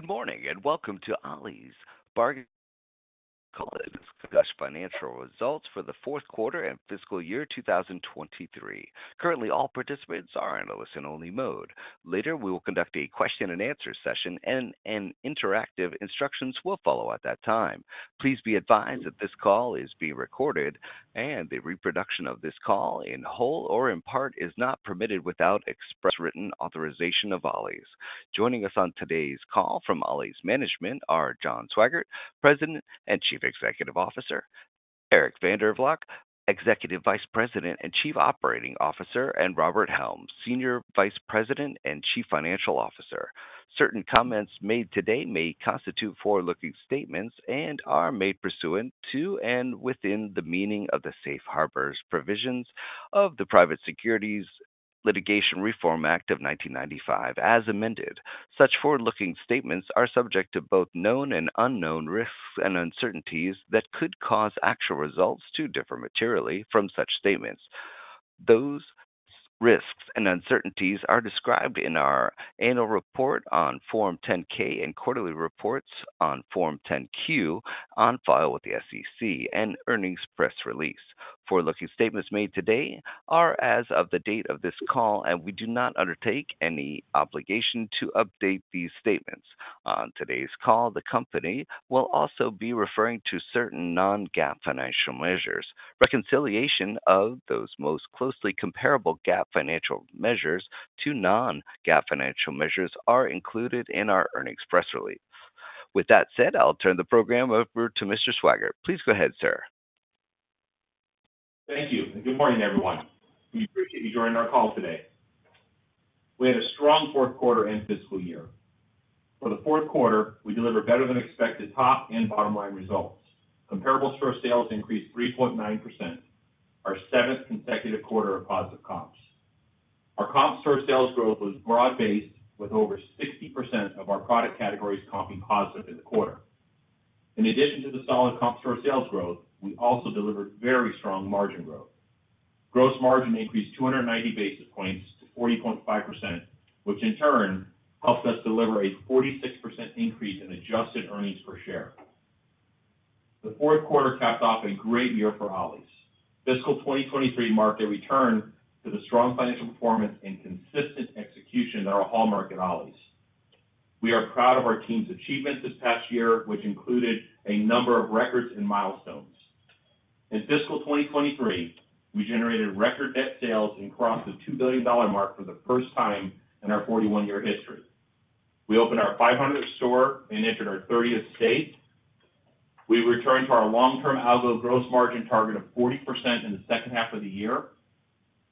Good morning, and welcome to Ollie's Bargain Outlet to discuss Financial Results for the Fourth Quarter and Fiscal Year 2023. Currently, all participants are in a listen-only mode. Later, we will conduct a question-and-answer session, and interactive instructions will follow at that time. Please be advised that this call is being recorded, and the reproduction of this call, in whole or in part, is not permitted without express written authorization of Ollie's. Joining us on today's call from Ollie's management are John Swygert, President and Chief Executive Officer; Eric van der Valk, Executive Vice President and Chief Operating Officer; and Robert Helm, Senior Vice President and Chief Financial Officer. Certain comments made today may constitute forward-looking statements and are made pursuant to and within the meaning of the safe harbor provisions of the Private Securities Litigation Reform Act of 1995, as amended. Such forward-looking statements are subject to both known and unknown risks and uncertainties that could cause actual results to differ materially from such statements. Those risks and uncertainties are described in our annual report on Form 10-K and quarterly reports on Form 10-Q, on file with the SEC and earnings press release. Forward-looking statements made today are as of the date of this call, and we do not undertake any obligation to update these statements. On today's call, the company will also be referring to certain non-GAAP financial measures. Reconciliation of those most closely comparable GAAP financial measures to non-GAAP financial measures are included in our earnings press release. With that said, I'll turn the program over to Mr. Swygert. Please go ahead, sir. Thank you, and good morning, everyone. We appreciate you joining our call today. We had a strong fourth quarter and fiscal year. For the fourth quarter, we delivered better than expected top and bottom line results. Comparable store sales increased 3.9%, our seventh consecutive quarter of positive comps. Our comp store sales growth was broad-based, with over 60% of our product categories comping positive in the quarter. In addition to the solid comp store sales growth, we also delivered very strong margin growth. Gross margin increased 290 basis points to 40.5%, which in turn helped us deliver a 46% increase in adjusted earnings per share. The fourth quarter capped off a great year for Ollie's. Fiscal 2023 marked a return to the strong financial performance and consistent execution that are a hallmark at Ollie's. We are proud of our team's achievements this past year, which included a number of records and milestones. In fiscal 2023, we generated record net sales and crossed the $2 billion mark for the first time in our 41-year history. We opened our 500th store and entered our 30th state. We returned to our long-term algo gross margin target of 40% in the second half of the year.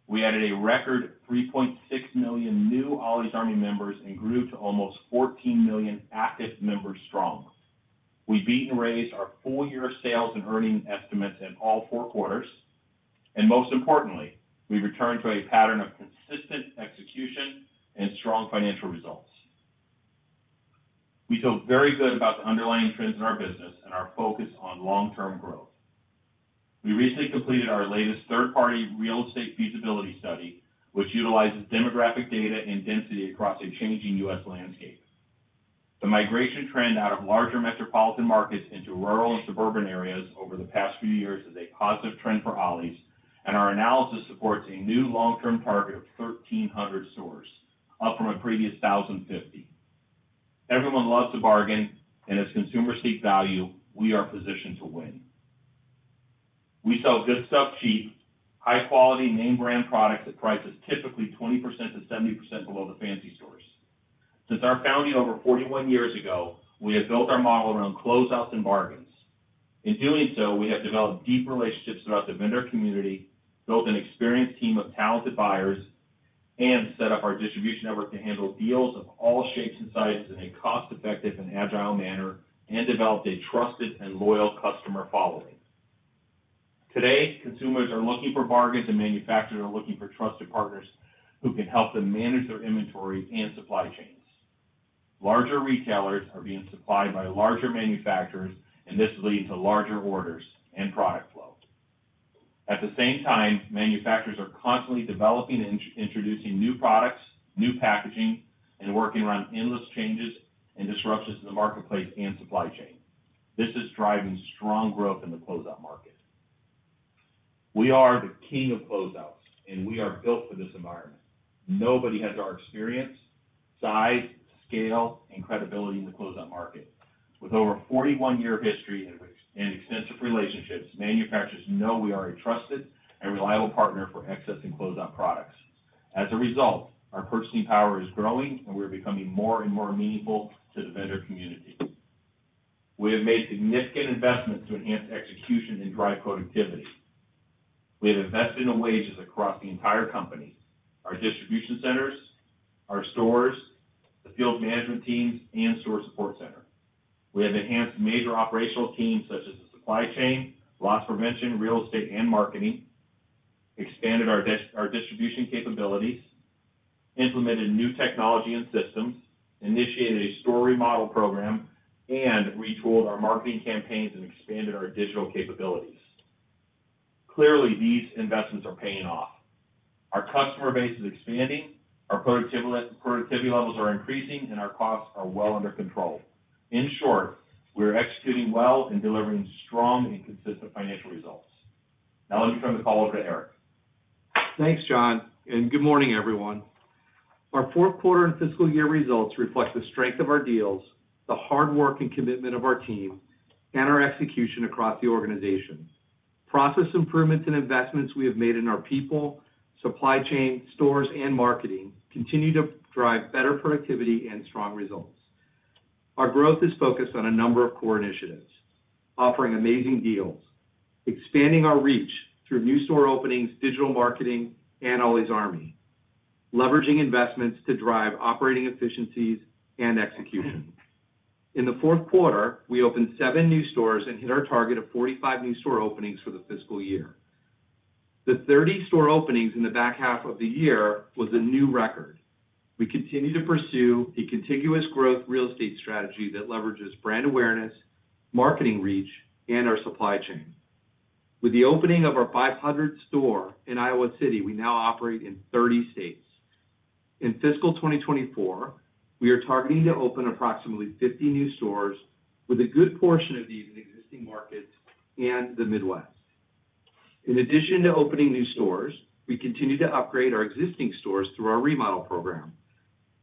We added a record 3.6 million new Ollie's Army members and grew to almost 14 million active members strong. We beat and raised our full year sales and earnings estimates in all 4 quarters, and most importantly, we returned to a pattern of consistent execution and strong financial results. We feel very good about the underlying trends in our business and our focus on long-term growth. We recently completed our latest third-party real estate feasibility study, which utilizes demographic data and density across a changing U.S. landscape. The migration trend out of larger metropolitan markets into rural and suburban areas over the past few years is a positive trend for Ollie's, and our analysis supports a new long-term target of 1,300 stores, up from a previous 1,050. Everyone loves to bargain, and as consumers seek value, we are positioned to win. We sell good stuff cheap, high quality, name brand products at prices typically 20%-70% below the fancy stores. Since our founding over 41 years ago, we have built our model around closeouts and bargains. In doing so, we have developed deep relationships throughout the vendor community, built an experienced team of talented buyers, and set up our distribution network to handle deals of all shapes and sizes in a cost-effective and agile manner, and developed a trusted and loyal customer following. Today, consumers are looking for bargains, and manufacturers are looking for trusted partners who can help them manage their inventories and supply chains. Larger retailers are being supplied by larger manufacturers, and this leads to larger orders and product flow. At the same time, manufacturers are constantly developing and introducing new products, new packaging, and working around endless changes and disruptions in the marketplace and supply chain. This is driving strong growth in the closeout market. We are the king of closeouts, and we are built for this environment. Nobody has our experience, size, scale, and credibility in the closeout market. With over 41-year history and extensive relationships, manufacturers know we are a trusted and reliable partner for excess and closeout products. As a result, our purchasing power is growing, and we are becoming more and more meaningful to the vendor community. We have made significant investments to enhance execution and drive productivity. We have invested in wages across the entire company, our distribution centers, our stores, the field management teams, and store support center. We have enhanced major operational teams such as the supply chain, loss prevention, real estate, and marketing, expanded our distribution capabilities, implemented new technology and systems, initiated a store remodel program, and retooled our marketing campaigns and expanded our digital capabilities. Clearly, these investments are paying off. Our customer base is expanding, our productivity levels are increasing, and our costs are well under control. In short, we are executing well and delivering strong and consistent financial results. Now let me turn the call over to Eric. Thanks, John, and good morning, everyone. Our fourth quarter and fiscal year results reflect the strength of our deals, the hard work and commitment of our team, and our execution across the organization. Process improvements and investments we have made in our people, supply chain, stores, and marketing continue to drive better productivity and strong results. Our growth is focused on a number of core initiatives: offering amazing deals, expanding our reach through new store openings, digital marketing, and Ollie's Army, leveraging investments to drive operating efficiencies and execution. In the fourth quarter, we opened 7 new stores and hit our target of 45 new store openings for the fiscal year. The 30 store openings in the back half of the year was a new record. We continue to pursue a contiguous growth real estate strategy that leverages brand awareness, marketing reach, and our supply chain. With the opening of our 500th store in Iowa City, we now operate in 30 states. In fiscal 2024, we are targeting to open approximately 50 new stores with a good portion of these in existing markets and the Midwest. In addition to opening new stores, we continue to upgrade our existing stores through our remodel program.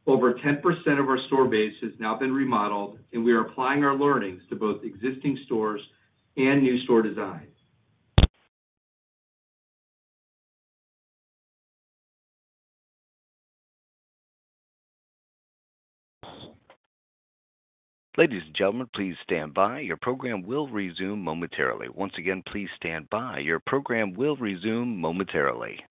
Over 10% of our store base has now been remodeled, and we are applying our learnings to both existing stores and new store designs. Ladies and gentlemen, please stand by. Your program will resume momentarily. Once again, please stand by. Your program will resume momentarily.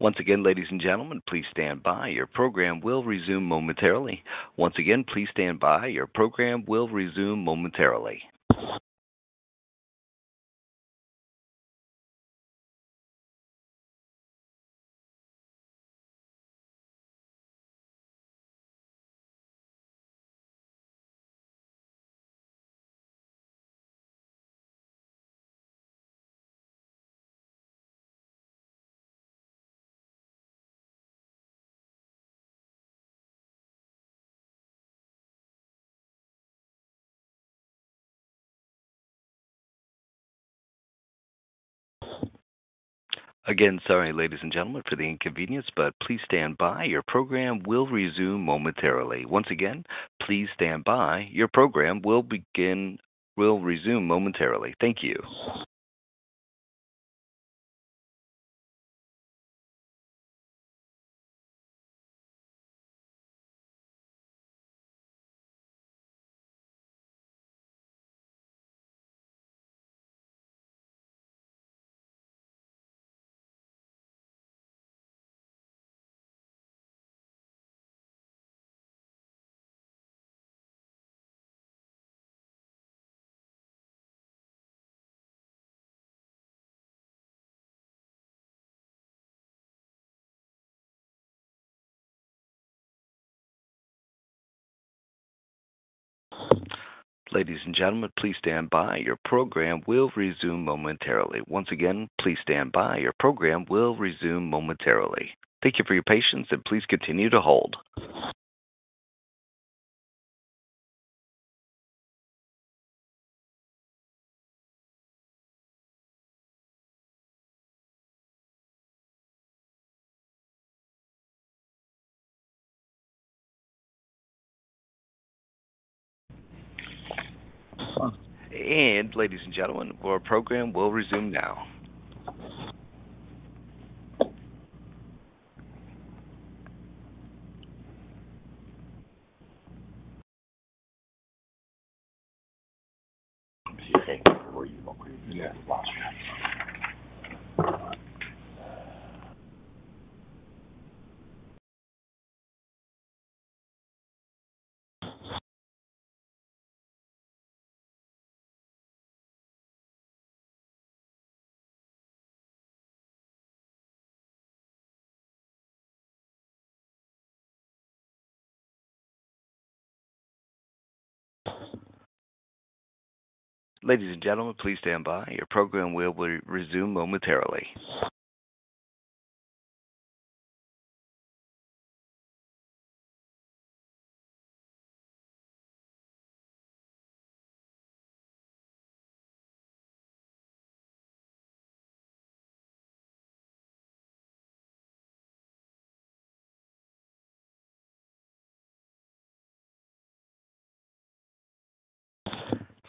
Once again, ladies and gentlemen, please stand by. Your program will resume momentarily. Once again, please stand by. Your program will resume momentarily. Again, sorry, ladies and gentlemen, for the inconvenience, but please stand by. Your program will resume momentarily. Once again, please stand by. Your program will begin--will resume momentarily. Thank you. Ladies and gentlemen, please stand by. Your program will resume momentarily. Once again, please stand by. Your program will resume momentarily. Thank you for your patience, and please continue to hold. Ladies and gentlemen, our program will resume now. Ladies and gentlemen, please stand by. Your program will re-resume momentarily.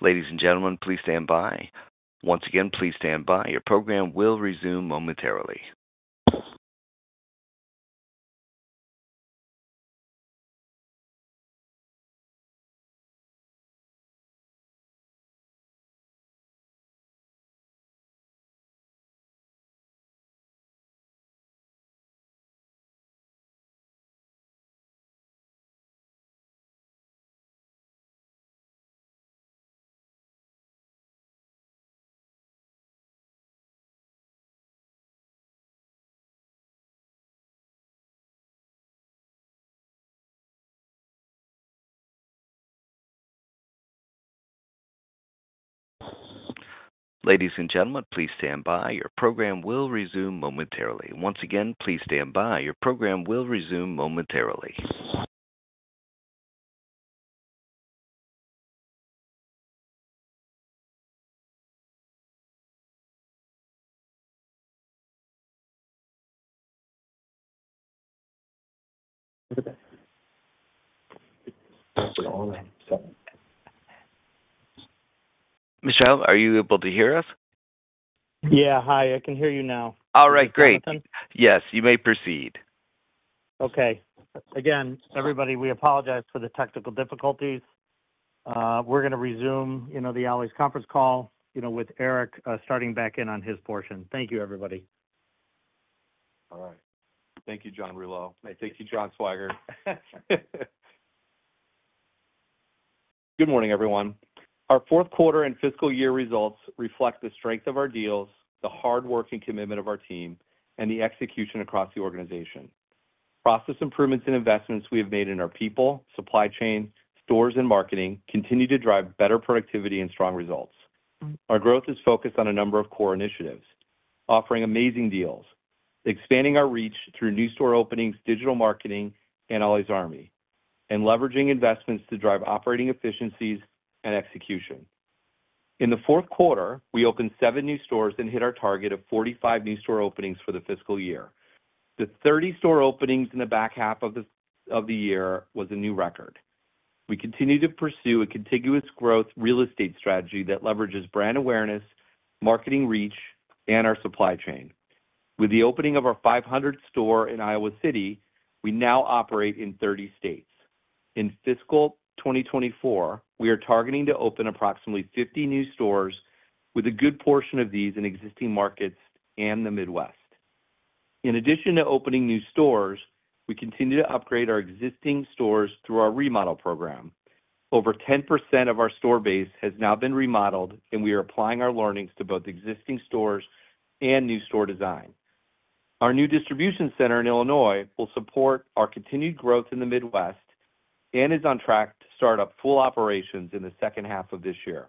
Ladies and gentlemen, please stand by. Once again, please stand by. Your program will resume momentarily. Ladies and gentlemen, please stand by. Your program will resume momentarily. Once again, please stand by. Your program will resume momentarily. Michelle, are you able to hear us? Hi, I can hear you now. All right, great. Yes, you may proceed. Okay. Again, everybody, we apologize for the technical difficulties. We're gonna resume, you know, the Ollie's conference call, you know, with Eric starting back in on his portion. Thank you, everybody. All right. Thank you, John Rouleau. Thank you, John Swygert. Good morning, everyone. Our fourth quarter and fiscal year results reflect the strength of our deals, the hard work and commitment of our team, and the execution across the organization. Process improvements and investments we have made in our people, supply chain, stores, and marketing continue to drive better productivity and strong results. Our growth is focused on a number of core initiatives, offering amazing deals, expanding our reach through new store openings, digital marketing, and Ollie's Army, and leveraging investments to drive operating efficiencies and execution. In the fourth quarter, we opened 7 new stores and hit our target of 45 new store openings for the fiscal year. The 30 store openings in the back half of the year was a new record. We continue to pursue a contiguous growth real estate strategy that leverages brand awareness, marketing reach, and our supply chain. With the opening of our 500th store in Iowa City, we now operate in 30 states. In fiscal 2024, we are targeting to open approximately 50 new stores with a good portion of these in existing markets and the Midwest. In addition to opening new stores, we continue to upgrade our existing stores through our remodel program. Over 10% of our store base has now been remodeled, and we are applying our learnings to both existing stores and new store design. Our new distribution center in Illinois will support our continued growth in the Midwest and is on track to start up full operations in the second half of this year.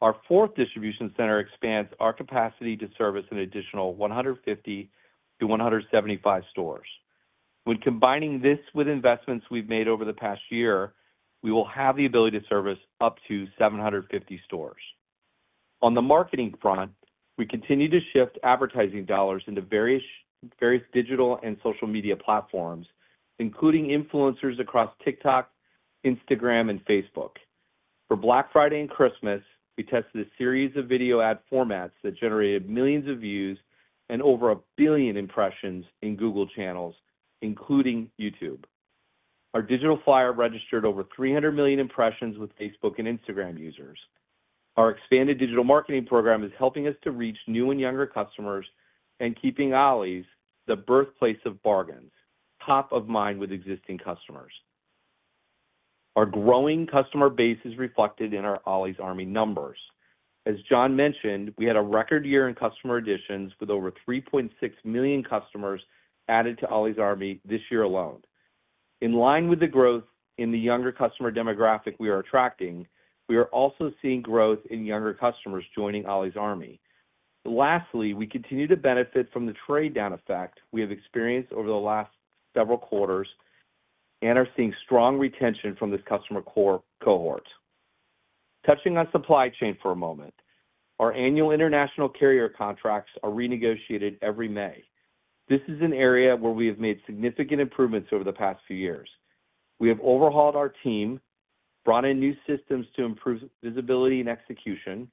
Our fourth distribution center expands our capacity to service an additional 150-175 stores. When combining this with investments we've made over the past year, we will have the ability to service up to 750 stores. On the marketing front, we continue to shift advertising dollars into various digital and social media platforms, including influencers across TikTok, Instagram, and Facebook. For Black Friday and Christmas, we tested a series of video ad formats that generated millions of views and over 1 billion impressions in Google channels, including YouTube. Our digital flyer registered over 300 million impressions with Facebook and Instagram users. Our expanded digital marketing program is helping us to reach new and younger customers and keeping Ollie's, the birthplace of bargains, top of mind with existing customers. Our growing customer base is reflected in our Ollie's Army numbers. As John mentioned, we had a record year in customer additions, with over 3.6 million customers added to Ollie's Army this year alone. In line with the growth in the younger customer demographic we are attracting, we are also seeing growth in younger customers joining Ollie's Army. Lastly, we continue to benefit from the trade-down effect we have experienced over the last several quarters and are seeing strong retention from this customer core cohort. Touching on supply chain for a moment, our annual international carrier contracts are renegotiated every May. This is an area where we have made significant improvements over the past few years. We have overhauled our team, brought in new systems to improve visibility and execution,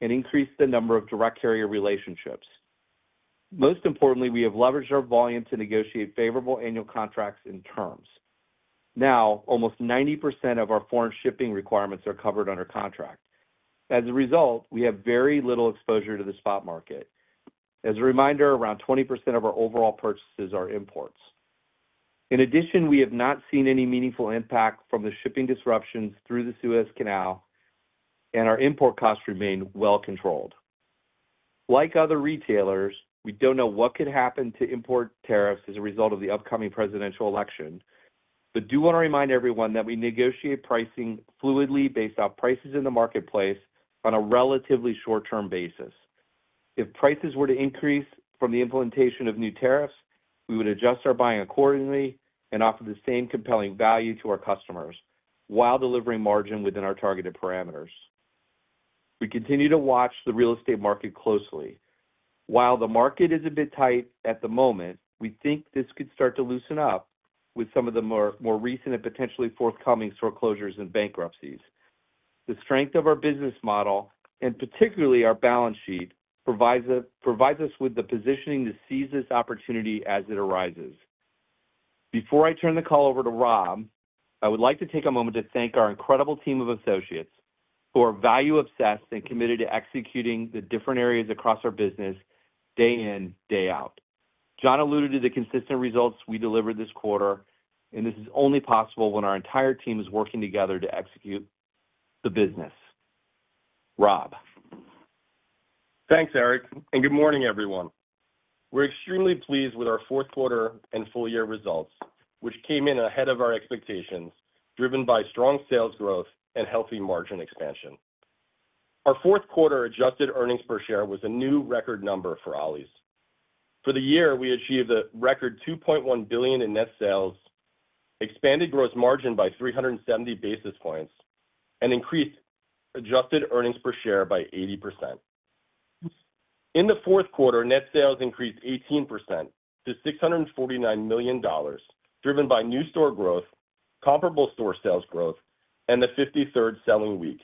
and increased the number of direct carrier relationships. Most importantly, we have leveraged our volume to negotiate favorable annual contracts and terms. Now, almost 90% of our foreign shipping requirements are covered under contract. As a result, we have very little exposure to the spot market. As a reminder, around 20% of our overall purchases are imports. In addition, we have not seen any meaningful impact from the shipping disruptions through the Suez Canal, and our import costs remain well controlled. Like other retailers, we don't know what could happen to import tariffs as a result of the upcoming presidential election, but do want to remind everyone that we negotiate pricing fluidly based on prices in the marketplace on a relatively short-term basis. If prices were to increase from the implementation of new tariffs, we would adjust our buying accordingly and offer the same compelling value to our customers while delivering margin within our targeted parameters. We continue to watch the real estate market closely. While the market is a bit tight at the moment, we think this could start to loosen up with some of the more recent and potentially forthcoming foreclosures and bankruptcies. The strength of our business model, and particularly our balance sheet, provides us with the positioning to seize this opportunity as it arises. Before I turn the call over to Rob, I would like to take a moment to thank our incredible team of associates who are value obsessed and committed to executing the different areas across our business day in, day out. John alluded to the consistent results we delivered this quarter, and this is only possible when our entire team is working together to execute the business. Rob? Thanks, Eric, and good morning, everyone. We're extremely pleased with our fourth quarter and full year results, which came in ahead of our expectations, driven by strong sales growth and healthy margin expansion. Our fourth quarter adjusted earnings per share was a new record number for Ollie's. For the year, we achieved a record $2.1 billion in net sales, expanded gross margin by 370 basis points, and increased adjusted earnings per share by 80%. In the fourth quarter, net sales increased 18% to $649 million, driven by new store growth, comparable store sales growth, and the 53rd selling week.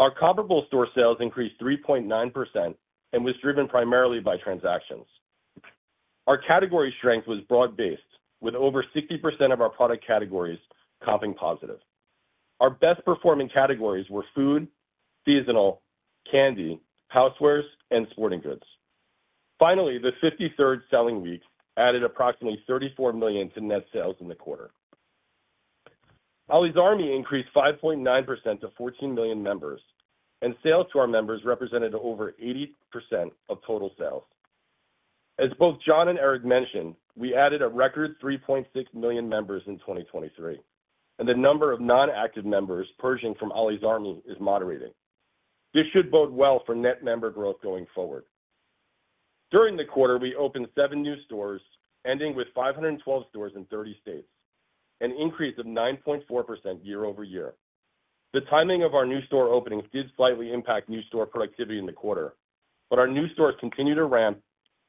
Our comparable store sales increased 3.9% and was driven primarily by transactions. Our category strength was broad-based, with over 60% of our product categories comping positive. Our best performing categories were food, seasonal, candy, housewares, and sporting goods. Finally, the 53rd selling week added approximately $34 million to net sales in the quarter. Ollie's Army increased 5.9% to 14 million members, and sales to our members represented over 80% of total sales. As both John and Eric mentioned, we added a record 3.6 million members in 2023, and the number of non-active members purging from Ollie's Army is moderating. This should bode well for net member growth going forward. During the quarter, we opened seven new stores, ending with 512 stores in 30 states, an increase of 9.4% year-over-year. The timing of our new store openings did slightly impact new store productivity in the quarter, but our new stores continue to ramp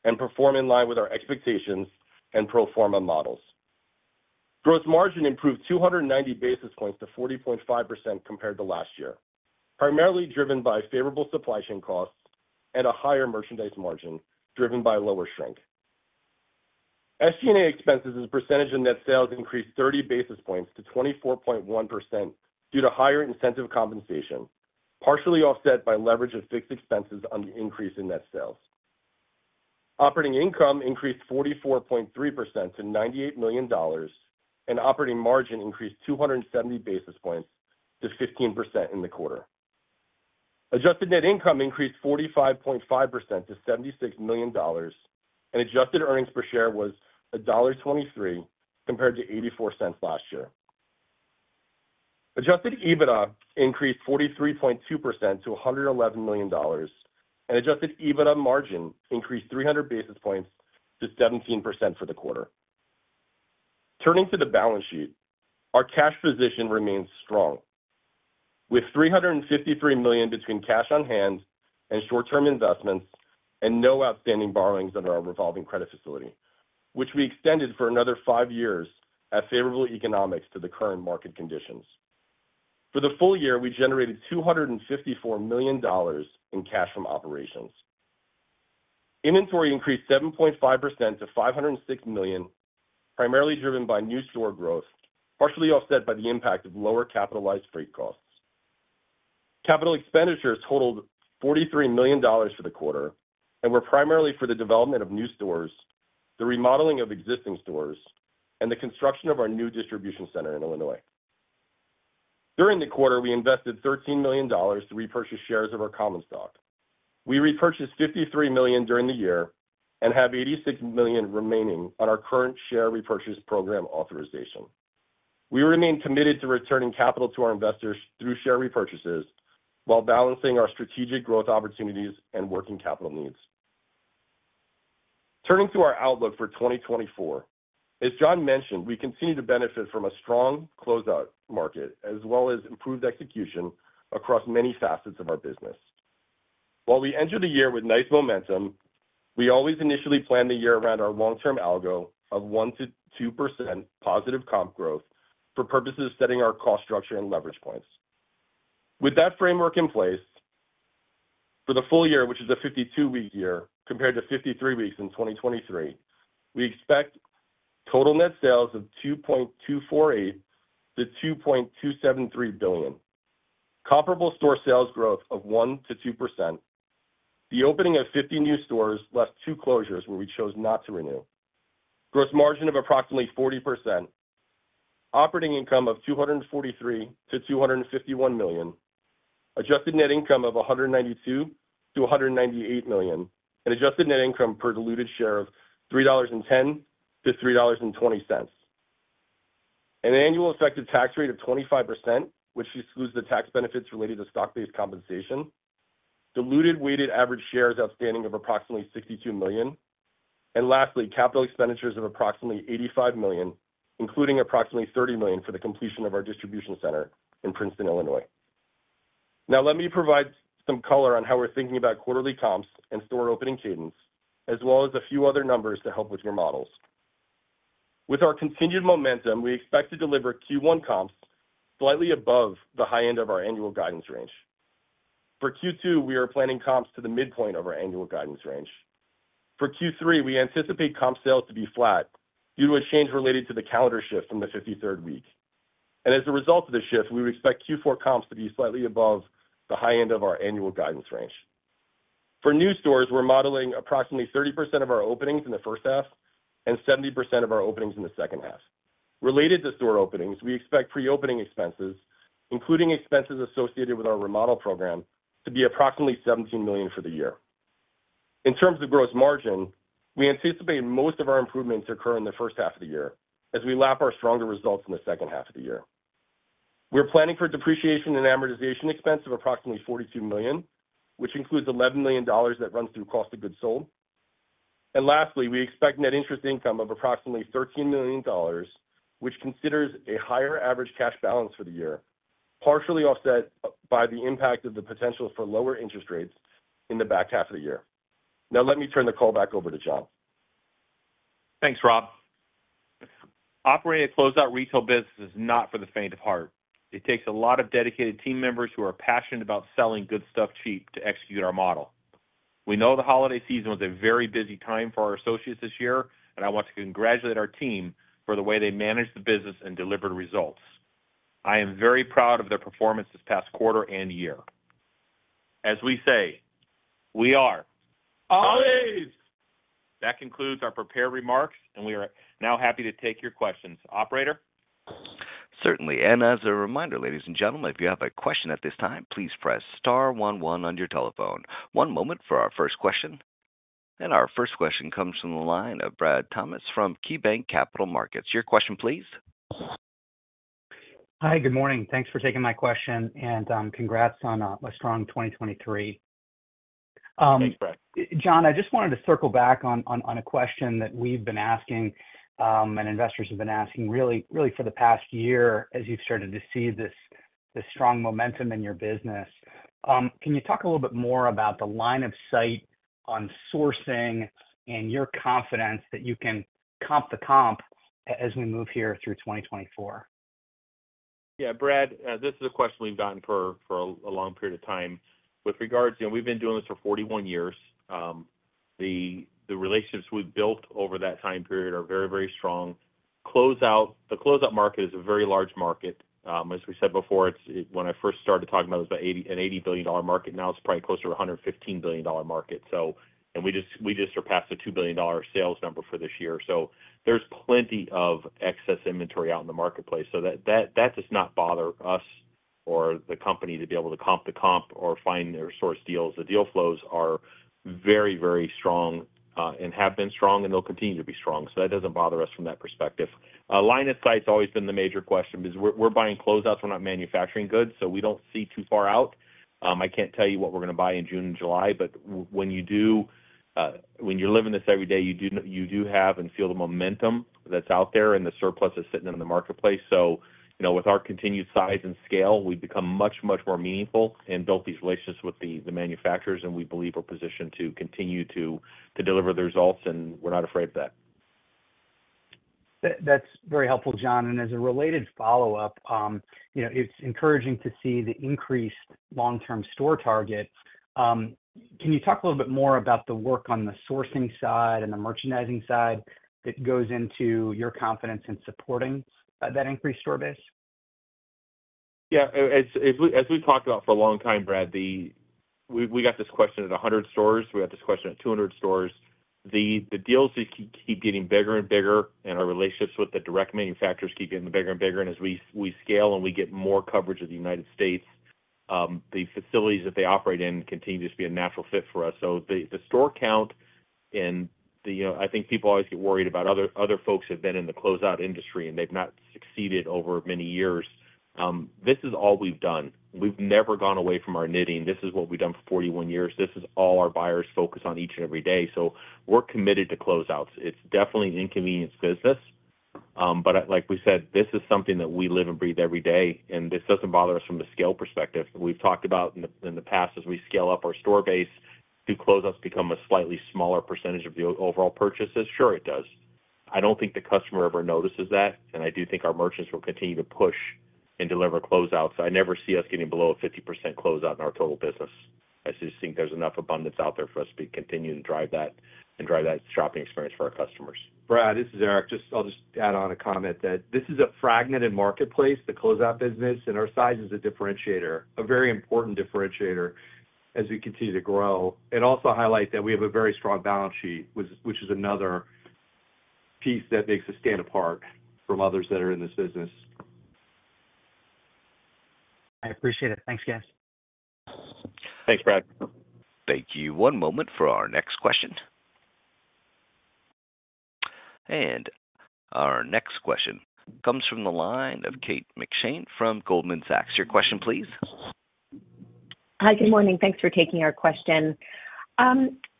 and perform in line with our expectations and pro forma models. Gross margin improved 290 basis points to 40.5% compared to last year, primarily driven by favorable supply chain costs and a higher merchandise margin driven by lower shrink. SG&A expenses as a percentage of net sales increased 30 basis points to 24.1% due to higher incentive compensation, partially offset by leverage of fixed expenses on the increase in net sales. Operating income increased 44.3% to $98 million, and operating margin increased 270 basis points to 15% in the quarter. Adjusted net income increased 45.5% to $76 million, and adjusted earnings per share was $1.23, compared to $0.84 last year. Adjusted EBITDA increased 43.2% to $111 million, and adjusted EBITDA margin increased 300 basis points to 17% for the quarter. Turning to the balance sheet, our cash position remains strong, with $353 million between cash on hand and short-term investments, and no outstanding borrowings under our revolving credit facility, which we extended for another five years at favorable economics to the current market conditions. For the full year, we generated $254 million in cash from operations. Inventory increased 7.5% to $506 million, primarily driven by new store growth, partially offset by the impact of lower capitalized freight costs. Capital expenditures totaled $43 million for the quarter and were primarily for the development of new stores, the remodeling of existing stores, and the construction of our new distribution center in Illinois. During the quarter, we invested $13 million to repurchase shares of our common stock. We repurchased $53 million during the year and have $86 million remaining on our current share repurchase program authorization. We remain committed to returning capital to our investors through share repurchases while balancing our strategic growth opportunities and working capital needs. Turning to our outlook for 2024, as John mentioned, we continue to benefit from a strong closeout market, as well as improved execution across many facets of our business. While we enter the year with nice momentum, we always initially plan the year around our long-term algo of 1%-2% positive comp growth for purposes of setting our cost structure and leverage points. With that framework in place, for the full year, which is a 52-week year compared to 53 weeks in 2023, we expect total net sales of $2.248 billion-$2.273 billion, comparable store sales growth of 1%-2%, the opening of 50 new stores, less 2 closures where we chose not to renew, gross margin of approximately 40%, operating income of $243 million-$251 million, adjusted net income of $192 million-$198 million, and adjusted net income per diluted share of $3.10-$3.20. An annual effective tax rate of 25%, which excludes the tax benefits related to stock-based compensation, diluted weighted average shares outstanding of approximately 62 million, and lastly, capital expenditures of approximately $85 million, including approximately $30 million for the completion of our distribution center in Princeton, Illinois. Now, let me provide some color on how we're thinking about quarterly comps and store opening cadence, as well as a few other numbers to help with your models. With our continued momentum, we expect to deliver Q1 comps slightly above the high end of our annual guidance range.... For Q2, we are planning comps to the midpoint of our annual guidance range. For Q3, we anticipate comp sales to be flat due to a change related to the calendar shift from the 53rd week. As a result of the shift, we expect Q4 comps to be slightly above the high end of our annual guidance range. For new stores, we're modeling approximately 30% of our openings in the first half and 70% of our openings in the second half. Related to store openings, we expect pre-opening expenses, including expenses associated with our remodel program, to be approximately $17 million for the year. In terms of gross margin, we anticipate most of our improvements to occur in the first half of the year as we lap our stronger results in the second half of the year. We're planning for depreciation and amortization expense of approximately $42 million, which includes $11 million that runs through cost of goods sold. Lastly, we expect net interest income of approximately $13 million, which considers a higher average cash balance for the year, partially offset by the impact of the potential for lower interest rates in the back half of the year. Now, let me turn the call back over to John. Thanks, Rob. Operating a closeout retail business is not for the faint of heart. It takes a lot of dedicated team members who are passionate about selling good stuff cheap to execute our model. We know the holiday season was a very busy time for our associates this year, and I want to congratulate our team for the way they managed the business and delivered results. I am very proud of their performance this past quarter and year. As we say, we are- Ollie's! That concludes our prepared remarks, and we are now happy to take your questions. Operator? Certainly. And as a reminder, ladies and gentlemen, if you have a question at this time, please press star one one on your telephone. One moment for our first question. And our first question comes from the line of Brad Thomas from KeyBanc Capital Markets. Your question, please. Hi, good morning. Thanks for taking my question, and congrats on a strong 2023. Thanks, Brad. John, I just wanted to circle back on a question that we've been asking, and investors have been asking really, really for the past year as you've started to see this strong momentum in your business. Can you talk a little bit more about the line of sight on sourcing and your confidence that you can comp the comps as we move here through 2024? Yeah, Brad, this is a question we've gotten for a long period of time. With regards, you know, we've been doing this for 41 years. The relationships we've built over that time period are very, very strong. Closeout, the closeout market is a very large market. As we said before, it's when I first started talking about it, it was about an $80 billion market. Now, it's probably closer to a $115 billion market. So... And we just surpassed a $2 billion sales number for this year. So there's plenty of excess inventory out in the marketplace. So that does not bother us or the company to be able to comp the comp or find or source deals. The deal flows are very, very strong, and have been strong, and they'll continue to be strong. So that doesn't bother us from that perspective. Line of sight's always been the major question because we're buying closeouts, we're not manufacturing goods, so we don't see too far out. I can't tell you what we're gonna buy in June and July, but when you do, when you're living this every day, you do have and feel the momentum that's out there and the surplus that's sitting in the marketplace. So, you know, with our continued size and scale, we've become much, much more meaningful and built these relationships with the manufacturers, and we believe we're positioned to continue to deliver the results, and we're not afraid of that. That, that's very helpful, John. And as a related follow-up, you know, it's encouraging to see the increased long-term store target. Can you talk a little bit more about the work on the sourcing side and the merchandising side that goes into your confidence in supporting, that increased store base? Yeah, as we've talked about for a long time, Brad. We got this question at 100 stores. We got this question at 200 stores. The deals just keep getting bigger and bigger, and our relationships with the direct manufacturers keep getting bigger and bigger. And as we scale and we get more coverage of the United States, the facilities that they operate in continue to just be a natural fit for us. So the store count and the, you know, I think people always get worried about other folks who have been in the closeout industry, and they've not succeeded over many years. This is all we've done. We've never gone away from our knitting. This is what we've done for 41 years. This is all our buyers focus on each and every day. So we're committed to closeouts. It's definitely an inconvenience business, but like we said, this is something that we live and breathe every day, and this doesn't bother us from the scale perspective. We've talked about in the past, as we scale up our store base, do closeouts become a slightly smaller percentage of the overall purchases? Sure, it does. I don't think the customer ever notices that, and I do think our merchants will continue to push and deliver closeouts. So I never see us getting below a 50% closeout in our total business. I just think there's enough abundance out there for us to be continuing to drive that and drive that shopping experience for our customers. Brad, this is Eric. Just... I'll just add on a comment, that this is a fragmented marketplace, the closeout business, and our size is a differentiator, a very important differentiator as we continue to grow. And also highlight that we have a very strong balance sheet, which is another piece that makes us stand apart from others that are in this business. I appreciate it. Thanks, guys. Thanks, Brad. Thank you. One moment for our next question. Our next question comes from the line of Kate McShane from Goldman Sachs. Your question, please. Hi, good morning. Thanks for taking our question.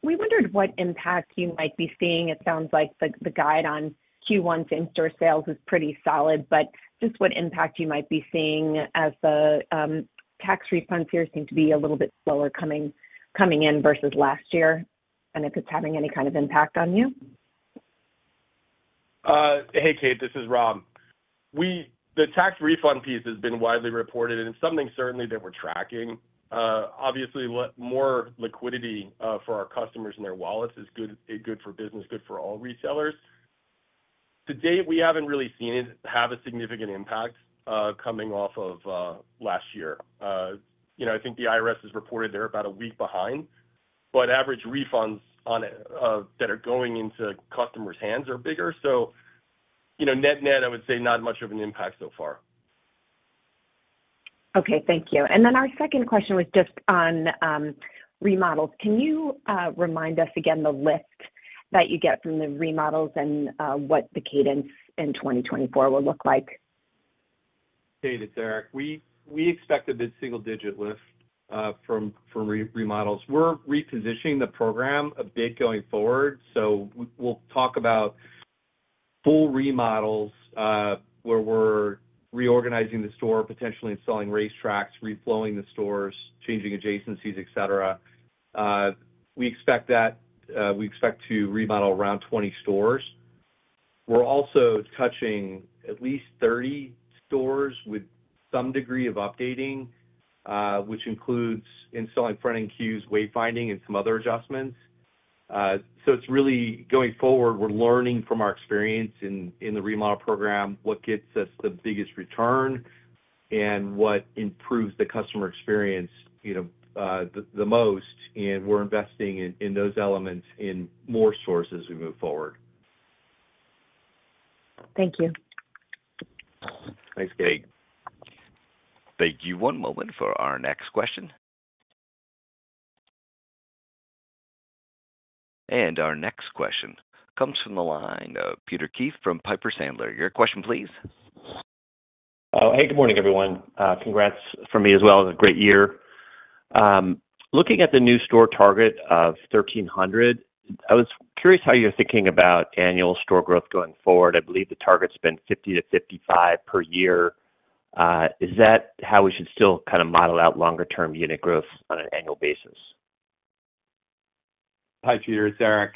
We wondered what impact you might be seeing. It sounds like the guide on Q1's in-store sales is pretty solid, but just what impact you might be seeing as the tax refund periods seem to be a little bit slower coming in versus last year, and if it's having any kind of impact on you?... Hey, Kate, this is Rob. The tax refund piece has been widely reported, and it's something certainly that we're tracking. Obviously, what more liquidity for our customers in their wallets is good, good for business, good for all retailers. To date, we haven't really seen it have a significant impact, coming off of last year. You know, I think the IRS has reported they're about a week behind, but average refunds on that are going into customers' hands are bigger. So, you know, net-net, I would say not much of an impact so far. Okay, thank you. And then our second question was just on remodels. Can you remind us again, the lift that you get from the remodels and what the cadence in 2024 will look like? Hey, it's Eric. We expected this single-digit lift from remodels. We're repositioning the program a bit going forward, so we'll talk about full remodels, where we're reorganizing the store, potentially installing racetracks, reflowing the stores, changing adjacencies, et cetera. We expect to remodel around 20 stores. We're also touching at least 30 stores with some degree of updating, which includes installing front-end queues, wayfinding, and some other adjustments. So it's really going forward, we're learning from our experience in the remodel program, what gets us the biggest return and what improves the customer experience, you know, the most, and we're investing in those elements in more stores as we move forward. Thank you. Thanks, Kate. Thank you. One moment for our next question. Our next question comes from the line of Peter Keith from Piper Sandler. Your question, please. Oh, hey, good morning, everyone. Congrats from me as well. A great year. Looking at the new store target of 1,300, I was curious how you're thinking about annual store growth going forward. I believe the target's been 50-55 per year. Is that how we should still kind of model out longer term unit growth on an annual basis? Hi, Peter, it's Eric.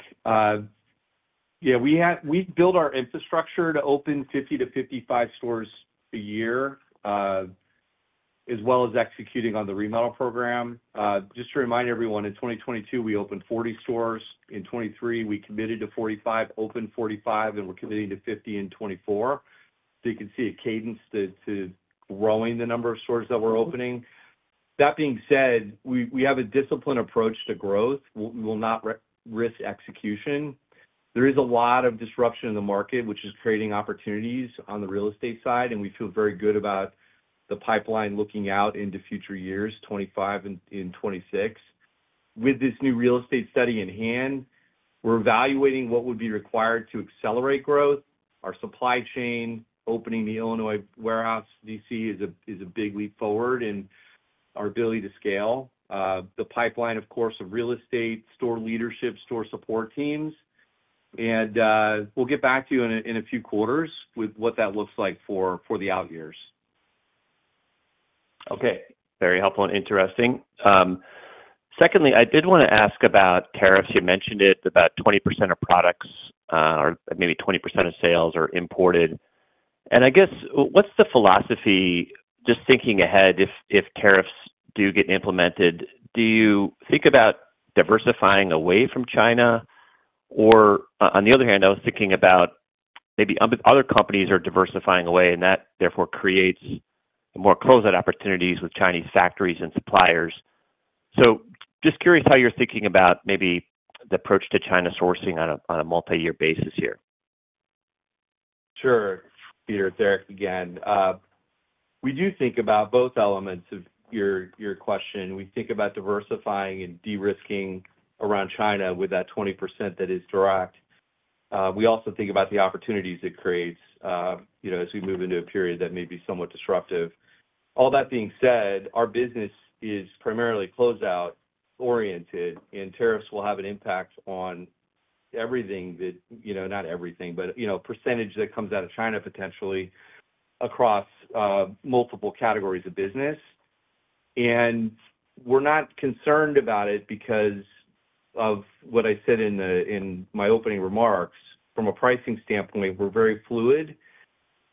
Yeah, we've built our infrastructure to open 50-55 stores a year, as well as executing on the remodel program. Just to remind everyone, in 2022, we opened 40 stores. In 2023, we committed to 45, opened 45, and we're committing to 50 in 2024. So you can see a cadence to growing the number of stores that we're opening. That being said, we have a disciplined approach to growth. We will not risk execution. There is a lot of disruption in the market, which is creating opportunities on the real estate side, and we feel very good about the pipeline looking out into future years, 2025 and 2026. With this new real estate study in hand, we're evaluating what would be required to accelerate growth. Our supply chain, opening the Illinois warehouse DC is a big leap forward in our ability to scale the pipeline, of course, of real estate, store leadership, store support teams. And we'll get back to you in a few quarters with what that looks like for the out years. Okay, very helpful and interesting. Secondly, I did wanna ask about tariffs. You mentioned it, about 20% of products or maybe 20% of sales are imported. And I guess, what's the philosophy, just thinking ahead, if tariffs do get implemented, do you think about diversifying away from China, or on the other hand, I was thinking about maybe other companies are diversifying away, and that therefore creates more closeout opportunities with Chinese factories and suppliers. So just curious how you're thinking about maybe the approach to China sourcing on a multi-year basis here. Sure, Peter, it's Eric again. We do think about both elements of your, your question. We think about diversifying and de-risking around China with that 20% that is direct. We also think about the opportunities it creates, you know, as we move into a period that may be somewhat disruptive. All that being said, our business is primarily closeout-oriented, and tariffs will have an impact on everything that, you know, not everything, but, you know, percentage that comes out of China, potentially across multiple categories of business. And we're not concerned about it because of what I said in the, in my opening remarks. From a pricing standpoint, we're very fluid.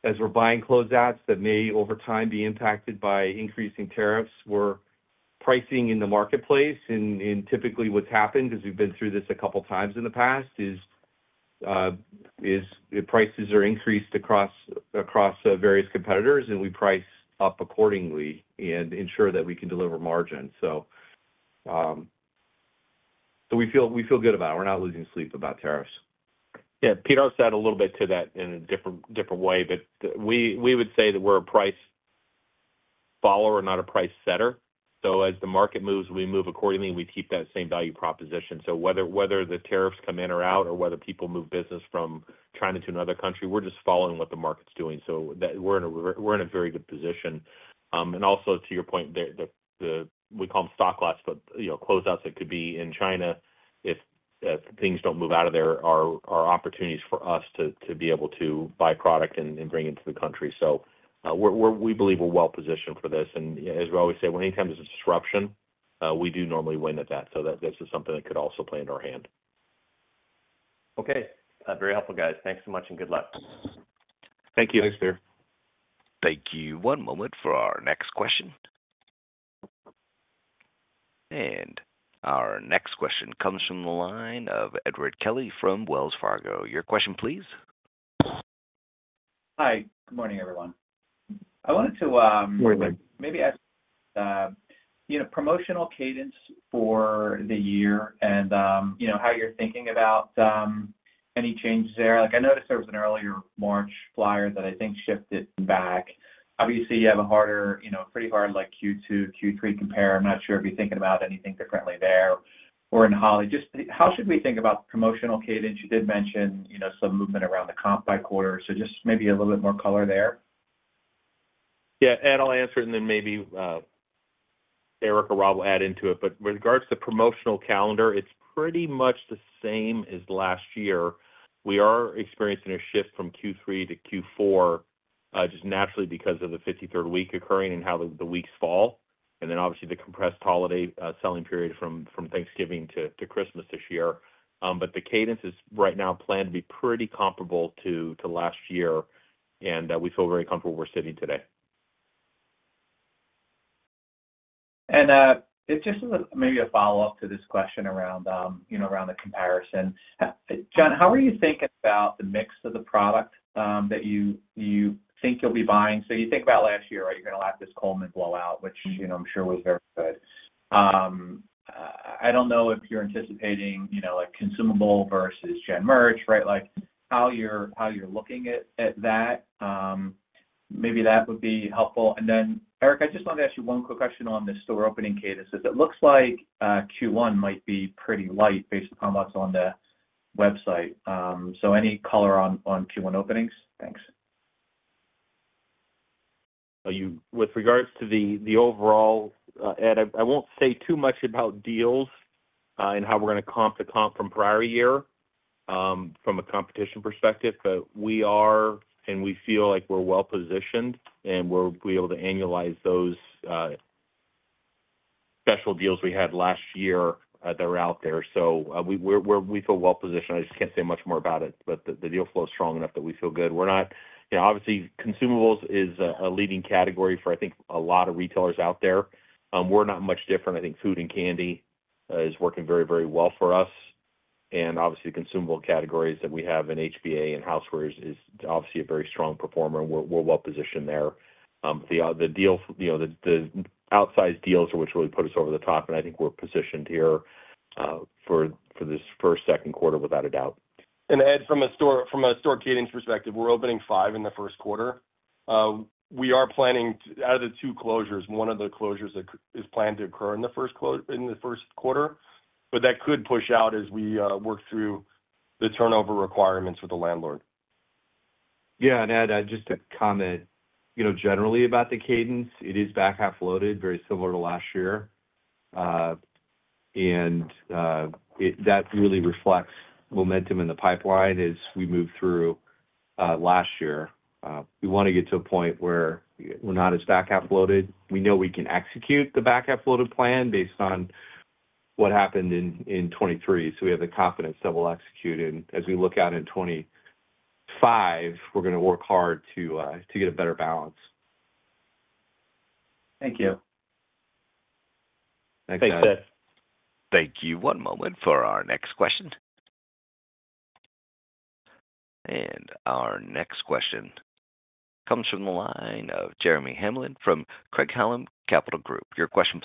As we're buying closeouts that may, over time, be impacted by increasing tariffs, we're pricing in the marketplace, and typically what's happened, because we've been through this a couple times in the past, is prices are increased across various competitors, and we price up accordingly and ensure that we can deliver margin. So, so we feel, we feel good about it. We're not losing sleep about tariffs. Yeah, Peter, I'll add a little bit to that in a different way, but we would say that we're a price follower, not a price setter. So as the market moves, we move accordingly, and we keep that same value proposition. So whether the tariffs come in or out, or whether people move business from China to another country, we're just following what the market's doing. So that we're in a very good position. And also, to your point, we call them stock lots, but you know, closeouts that could be in China if things don't move out of there are opportunities for us to be able to buy product and bring into the country. So we believe we're well positioned for this. You know, as we always say, whenever there comes a disruption, we do normally win at that, so that this is something that could also play in our hand. Okay. Very helpful, guys. Thanks so much, and good luck. Thank you. Thanks, Peter. Thank you. One moment for our next question. Our next question comes from the line of Edward Kelly from Wells Fargo. Your question, please. Hi, good morning, everyone. I wanted to, Good morning Maybe ask, you know, promotional cadence for the year and, you know, how you're thinking about any changes there. Like, I noticed there was an earlier March flyer that I think shifted back. Obviously, you have a harder, you know, pretty hard, like Q2, Q3 compare. I'm not sure if you're thinking about anything differently there or in holiday. Just, how should we think about promotional cadence? You did mention, you know, some movement around the comp by quarter, so just maybe a little bit more color there. Yeah, Ed, I'll answer it, and then maybe, Eric or Rob will add into it. But with regards to promotional calendar, it's pretty much the same as last year. We are experiencing a shift from Q3 to Q4, just naturally because of the 53rd week occurring and how the, the weeks fall, and then obviously the compressed holiday, selling period from, from Thanksgiving to, to Christmas this year. But the cadence is right now planned to be pretty comparable to, to last year, and, we feel very comfortable where we're sitting today. And, just as maybe a follow-up to this question around, you know, around the comparison. John, how are you thinking about the mix of the product, that you, you think you'll be buying? So you think about last year, right, you're going to have this Coleman blowout, which, you know, I'm sure was very good. I don't know if you're anticipating, you know, like consumable versus gen merch, right? Like, how you're, how you're looking at, at that, maybe that would be helpful. And then, Eric, I just wanted to ask you one quick question on the store opening cadence. It looks like, Q1 might be pretty light based upon what's on the website. So any color on, on Q1 openings? Thanks. With regards to the overall, Ed, I won't say too much about deals and how we're gonna comp to comp from prior year from a competition perspective, but we are, and we feel like we're well positioned, and we'll be able to annualize those special deals we had last year that are out there. So, we're well positioned. I just can't say much more about it, but the deal flow is strong enough that we feel good. We're not... You know, obviously, consumables is a leading category for, I think, a lot of retailers out there. We're not much different. I think food and candy is working very, very well for us. And obviously, consumable categories that we have in HBA and housewares is obviously a very strong performer, and we're well positioned there. The deal, you know, the outsized deals are what really put us over the top, and I think we're positioned here for this first, second quarter, without a doubt. And Ed, from a store cadence perspective, we're opening five in the first quarter. We are planning to, out of the two closures, one of the closures is planned to occur in the first quarter, but that could push out as we work through the turnover requirements with the landlord. Yeah, and Ed, just to comment, you know, generally about the cadence, it is back-half loaded, very similar to last year. That really reflects momentum in the pipeline as we moved through last year. We want to get to a point where we're not as back-half loaded. We know we can execute the back-half loaded plan based on what happened in 2023, so we have the confidence that we'll execute. And as we look out in 2025, we're gonna work hard to get a better balance. Thank you. Thanks, Ed. Thanks, Ed. Thank you. One moment for our next question. Our next question comes from the line of Jeremy Hamblin from Craig-Hallum Capital Group. Your question,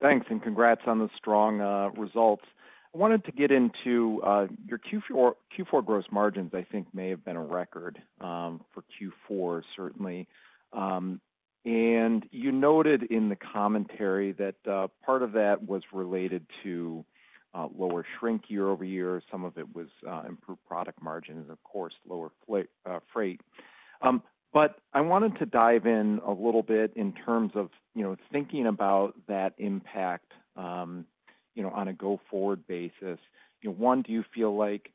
please. Thanks, and congrats on the strong results. I wanted to get into your Q4, Q4 gross margins. I think may have been a record for Q4, certainly. And you noted in the commentary that part of that was related to lower shrink year-over-year. Some of it was improved product margins, and of course, lower freight. But I wanted to dive in a little bit in terms of, you know, thinking about that impact, you know, on a go-forward basis. You know, one, do you feel like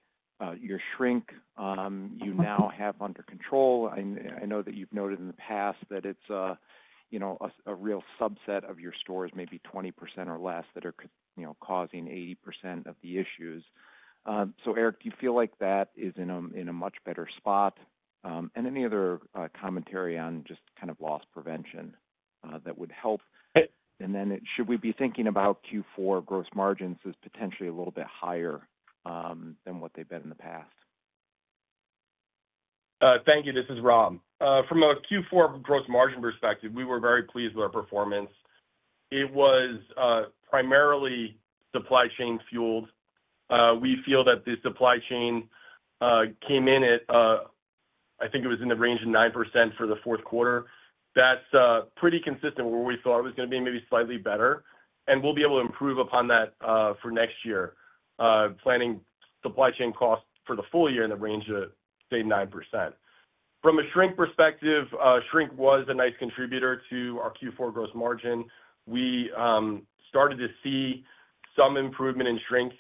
your shrink you now have under control? I know that you've noted in the past that it's, you know, a real subset of your stores, maybe 20% or less, that are causing 80% of the issues. So, Eric, do you feel like that is in a much better spot? And any other commentary on just kind of loss prevention that would help. And then should we be thinking about Q4 gross margins as potentially a little bit higher than what they've been in the past? Thank you. This is Rob. From a Q4 gross margin perspective, we were very pleased with our performance. It was primarily supply chain fueled. We feel that the supply chain came in at, I think it was in the range of 9% for the fourth quarter. That's pretty consistent where we thought it was gonna be, maybe slightly better, and we'll be able to improve upon that for next year. Planning supply chain costs for the full year in the range of, say, 9%. From a shrink perspective, shrink was a nice contributor to our Q4 gross margin. We started to see some improvement in shrink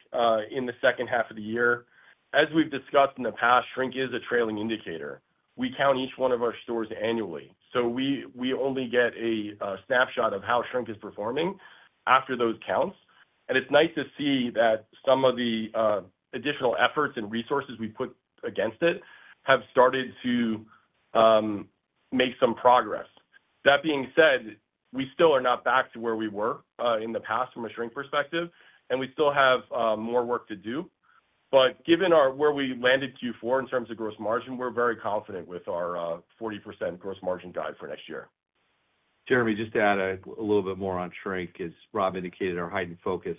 in the second half of the year. As we've discussed in the past, shrink is a trailing indicator. We count each one of our stores annually, so we only get a snapshot of how shrink is performing after those counts. And it's nice to see that some of the additional efforts and resources we put against it have started to make some progress. That being said, we still are not back to where we were in the past from a shrink perspective, and we still have more work to do. But given where we landed Q4 in terms of gross margin, we're very confident with our 40% gross margin guide for next year. Jeremy, just to add a little bit more on shrink. As Rob indicated, our heightened focus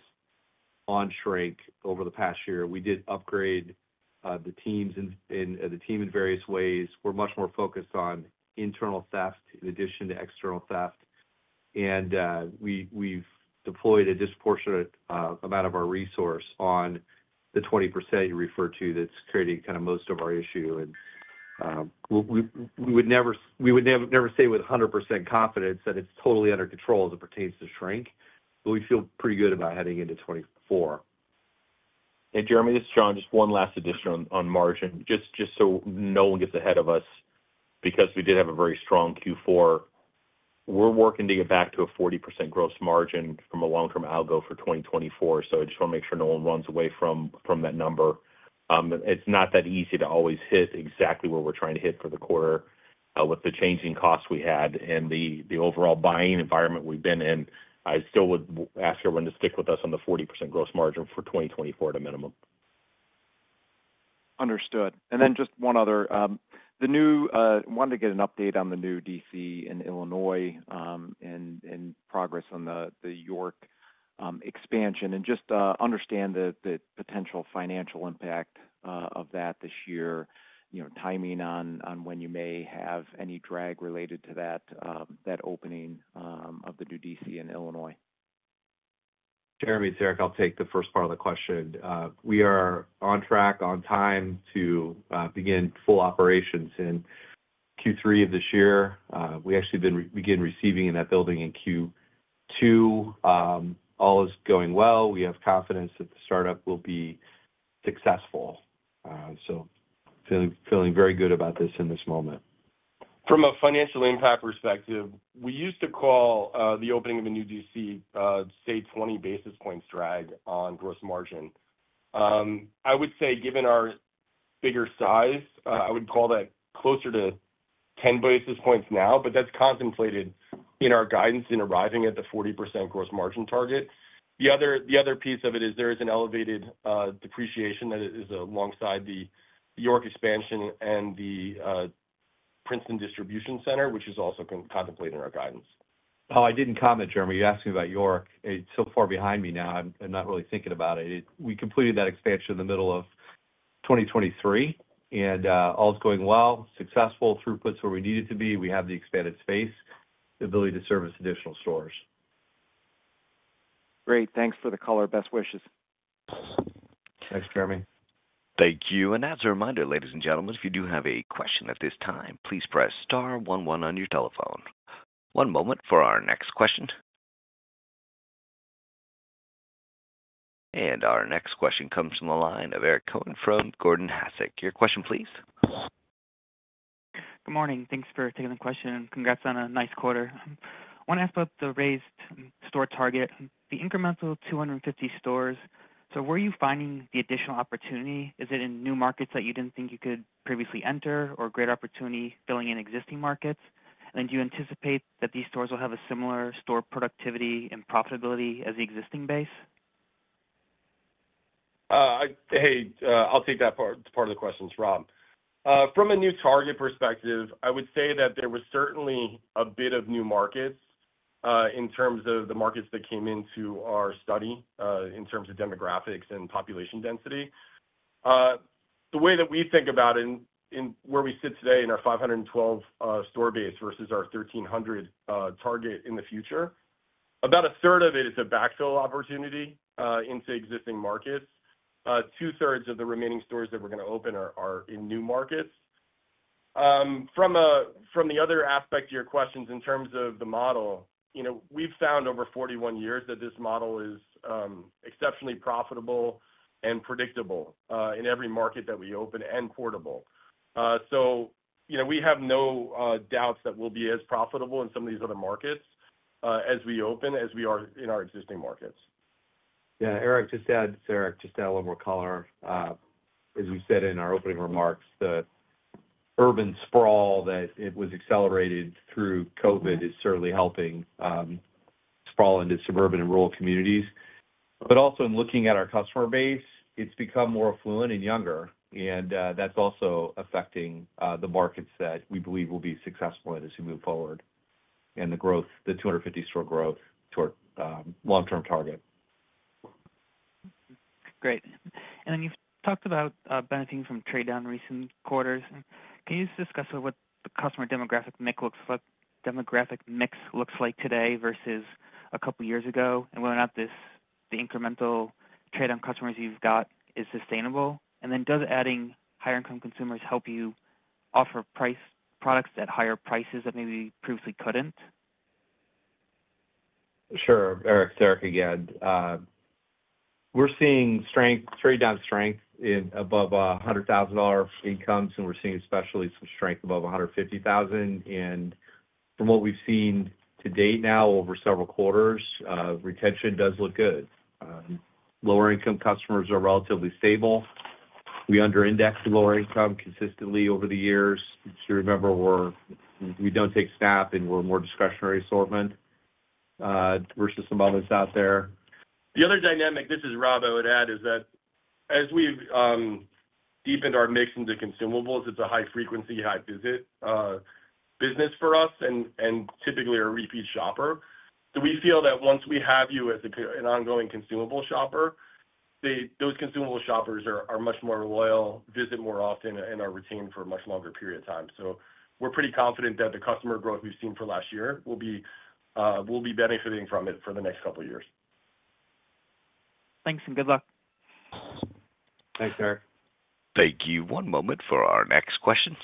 on shrink over the past year, we did upgrade the team in various ways. We're much more focused on internal theft in addition to external theft. And we've deployed a disproportionate amount of our resource on the 20% you referred to that's creating kind of most of our issue. And we would never say with 100% confidence that it's totally under control as it pertains to shrink, but we feel pretty good about heading into 2024. Hey, Jeremy, this is John. Just one last addition on margin, just so no one gets ahead of us because we did have a very strong Q4. We're working to get back to a 40% gross margin from a long-term algo for 2024, so I just want to make sure no one runs away from that number. It's not that easy to always hit exactly where we're trying to hit for the quarter, with the changing costs we had and the overall buying environment we've been in. I still would ask everyone to stick with us on the 40% gross margin for 2024 at a minimum. Understood. Just one other. Wanted to get an update on the new DC in Illinois, and progress on the York expansion, and just understand the potential financial impact of that this year. You know, timing on when you may have any drag related to that opening of the new DC in Illinois. Jeremy, it's Eric. I'll take the first part of the question. We are on track, on time to begin full operations in Q3 of this year. We actually began receiving in that building in Q2. All is going well. We have confidence that the startup will be successful. So feeling very good about this in this moment. From a financial impact perspective, we used to call the opening of a new DC, say, 20 basis points drag on gross margin. I would say given our bigger size, I would call that closer to 10 basis points now, but that's contemplated in our guidance in arriving at the 40% gross margin target. The other piece of it is there is an elevated depreciation that is alongside the York expansion and the Princeton Distribution Center, which is also contemplated in our guidance. Oh, I didn't comment, Jeremy. You asked me about York. It's so far behind me now, I'm not really thinking about it. We completed that expansion in the middle of 2023, and all's going well, successful, throughput's where we need it to be. We have the expanded space, the ability to service additional stores. Great. Thanks for the color. Best wishes. Thanks, Jeremy. Thank you. And as a reminder, ladies and gentlemen, if you do have a question at this time, please press star one one on your telephone. One moment for our next question. And our next question comes from the line of Eric Cohen from Gordon Haskett. Your question, please. Good morning. Thanks for taking the question, and congrats on a nice quarter. Want to ask about the raised store target, the incremental 250 stores. So where are you finding the additional opportunity? Is it in new markets that you didn't think you could previously enter or great opportunity filling in existing markets? And do you anticipate that these stores will have a similar store productivity and profitability as the existing base? Hey, I'll take that part of the question. It's Rob. From a new target perspective, I would say that there was certainly a bit of new markets in terms of the markets that came into our study in terms of demographics and population density. The way that we think about where we sit today in our 512 store base versus our 1,300 target in the future, about a third of it is a backfill opportunity into existing markets. Two thirds of the remaining stores that we're gonna open are in new markets. From the other aspect to your questions in terms of the model, you know, we've found over 41 years that this model is exceptionally profitable and predictable in every market that we open, and portable. So, you know, we have no doubts that we'll be as profitable in some of these other markets, as we open, as we are in our existing markets. Yeah, Eric, just to add, Eric, just to add a little more color. As we said in our opening remarks, the urban sprawl that it was accelerated through COVID is certainly helping sprawl into suburban and rural communities. But also in looking at our customer base, it's become more affluent and younger, and that's also affecting the markets that we believe will be successful as we move forward and the growth, the 250 store growth to our long-term target. Great. And then you've talked about benefiting from trade down in recent quarters. Can you just discuss what the customer demographic mix looks like today versus a couple of years ago, and whether or not this, the incremental trade-down customers you've got is sustainable? And then, does adding higher income consumers help you-... offer price, products at higher prices that maybe you previously couldn't? Sure, Eric, it's Eric again. We're seeing strength, trade down strength in above 100,000-dollar incomes, and we're seeing especially some strength above 150,000. And from what we've seen to date now, over several quarters, retention does look good. Lower income customers are relatively stable. We under-indexed lower income consistently over the years. Just remember, we don't take SNAP, and we're more discretionary assortment versus some others out there. The other dynamic, this is Rob, I would add, is that as we've deepened our mix into consumables, it's a high frequency, high visit business for us and typically a repeat shopper. So we feel that once we have you as an ongoing consumable shopper, those consumable shoppers are much more loyal, visit more often, and are retained for a much longer period of time. So we're pretty confident that the customer growth we've seen for last year will be, we'll be benefiting from it for the next couple of years. Thanks, and good luck. Thanks, Eric. Thank you. One moment for our next question.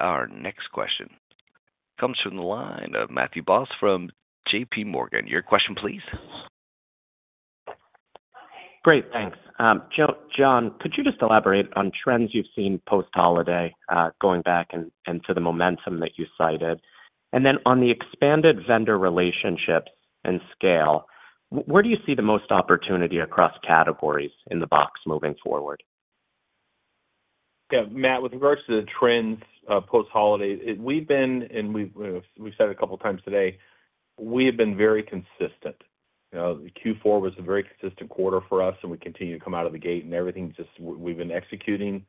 Our next question comes from the line of Matthew Boss from J.P. Morgan. Your question, please. Great, thanks. John, could you just elaborate on trends you've seen post-holiday, going back and to the momentum that you cited? And then on the expanded vendor relationships and scale, where do you see the most opportunity across categories in the box moving forward? Yeah, Matt, with regards to the trends, post-holiday, we've been, and we've said a couple of times today, we have been very consistent. You know, Q4 was a very consistent quarter for us, and we continue to come out of the gate, and everything just... We've been executing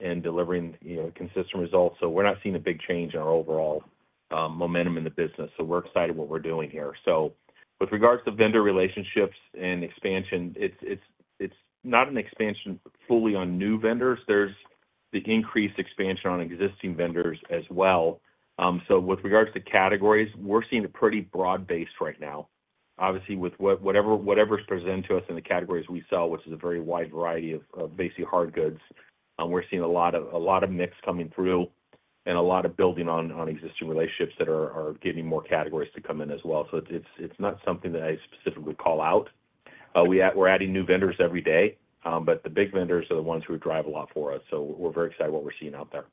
and delivering, you know, consistent results. So we're not seeing a big change in our overall momentum in the business, so we're excited what we're doing here. So with regards to vendor relationships and expansion, it's not an expansion fully on new vendors. There's the increased expansion on existing vendors as well. So with regards to categories, we're seeing a pretty broad base right now. Obviously, with whatever is presented to us in the categories we sell, which is a very wide variety of basically hard goods, we're seeing a lot of mix coming through and a lot of building on existing relationships that are getting more categories to come in as well. So it's not something that I specifically call out. We're adding new vendors every day, but the big vendors are the ones who drive a lot for us, so we're very excited what we're seeing out there.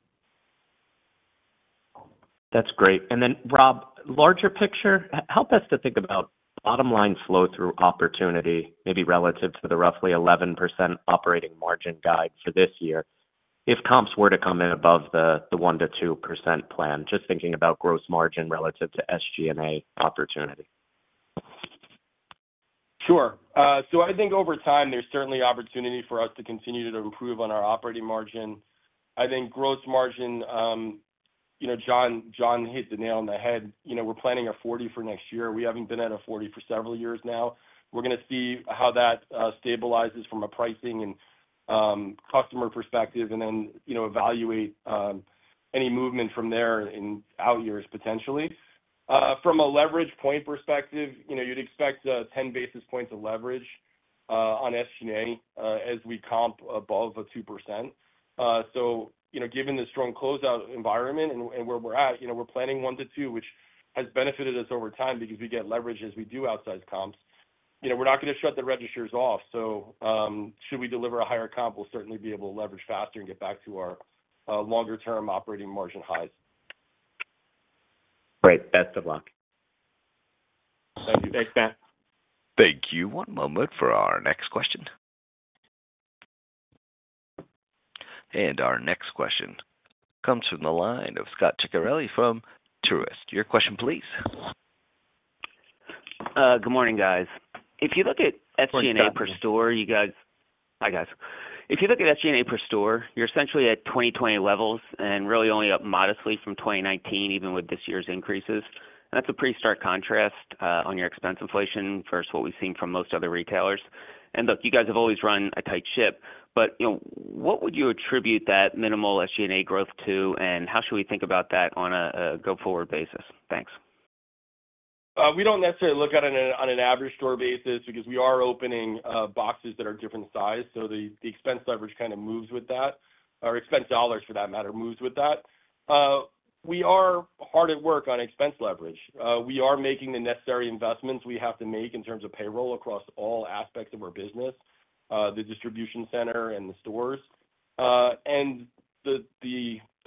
That's great. And then, Rob, larger picture, help us to think about bottom-line flow through opportunity, maybe relative to the roughly 11% operating margin guide for this year. If comps were to come in above the one to two percent plan, just thinking about gross margin relative to SG&A opportunity. Sure. So I think over time, there's certainly opportunity for us to continue to improve on our operating margin. I think gross margin, you know, John, John hit the nail on the head. You know, we're planning a 40 for next year. We haven't been at a 40 for several years now. We're gonna see how that stabilizes from a pricing and customer perspective and then, you know, evaluate any movement from there in out years, potentially. From a leverage point perspective, you know, you'd expect 10 basis points of leverage on SG&A as we comp above a 2%. So, you know, given the strong closeout environment and where we're at, you know, we're planning 1-2, which has benefited us over time because we get leverage as we do outsized comps. You know, we're not gonna shut the registers off, so should we deliver a higher comp, we'll certainly be able to leverage faster and get back to our longer-term operating margin highs. Great. Best of luck. Thank you. Thanks, Matt. Thank you. One moment for our next question. Our next question comes from the line of Scott Ciccarelli from Truist. Your question, please. Good morning, guys. If you look at SG&A per store, you're essentially at 2020 levels and really only up modestly from 2019, even with this year's increases. That's a pretty stark contrast on your expense inflation versus what we've seen from most other retailers. And look, you guys have always run a tight ship, but, you know, what would you attribute that minimal SG&A growth to, and how should we think about that on a go-forward basis? Thanks. We don't necessarily look at it on an average store basis because we are opening boxes that are different size, so the expense leverage kind of moves with that, or expense dollars, for that matter, moves with that. We are hard at work on expense leverage. We are making the necessary investments we have to make in terms of payroll across all aspects of our business, the distribution center and the stores. And the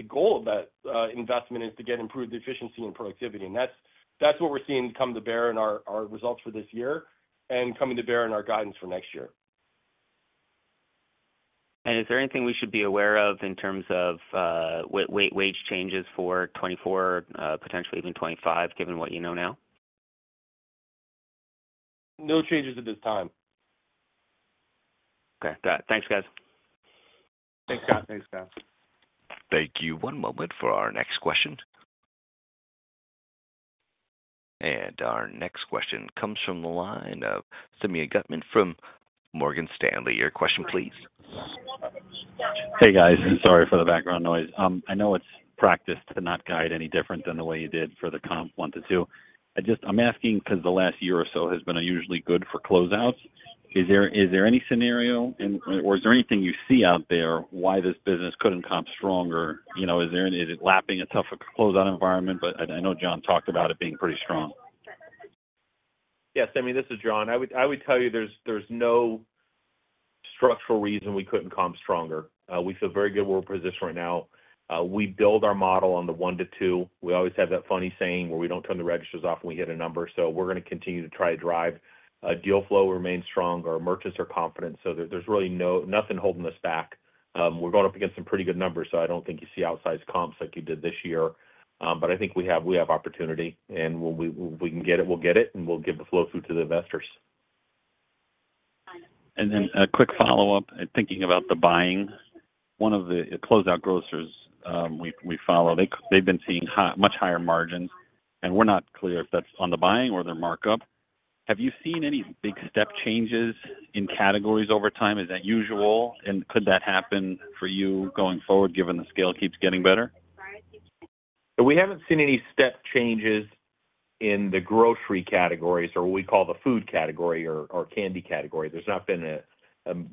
goal of that investment is to get improved efficiency and productivity, and that's what we're seeing come to bear in our results for this year and coming to bear in our guidance for next year. Is there anything we should be aware of in terms of wage changes for 2024, potentially even 2025, given what you know now? No changes at this time. Okay, got it. Thanks, guys. Thanks, Scott. Thanks, Scott. Thank you. One moment for our next question. Our next question comes from the line of Simeon Gutman from Morgan Stanley. Your question, please. Hey, guys, sorry for the background noise. I know it's practice to not guide any different than the way you did for the comp 1 to 2. I just-- I'm asking because the last year or so has been unusually good for closeouts.... Is there, is there any scenario and or is there anything you see out there why this business couldn't comp stronger? You know, is there-- is it lapping a tougher closeout environment? But I, I know John talked about it being pretty strong. Yes, I mean, this is John. I would tell you there's no structural reason we couldn't comp stronger. We feel very good where we're positioned right now. We build our model on the 1-2. We always have that funny saying where we don't turn the registers off when we hit a number, so we're gonna continue to try to drive. Deal flow remains strong. Our merchants are confident, so there's really nothing holding us back. We're going up against some pretty good numbers, so I don't think you see outsized comps like you did this year. But I think we have opportunity, and when we can get it, we'll get it, and we'll give the flow through to the investors. And then a quick follow-up. Thinking about the buying, one of the closeout grocers we follow, they've been seeing much higher margins, and we're not clear if that's on the buying or their markup. Have you seen any big step changes in categories over time? Is that usual, and could that happen for you going forward, given the scale keeps getting better? So we haven't seen any step changes in the grocery categories or what we call the food category or candy category. There's not been a